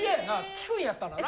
効くんやったらな？